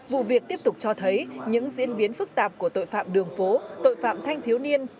vụ việc tiếp tục cho thấy những diễn biến phức tạp của tội phạm đường phố tội phạm thanh thiếu niên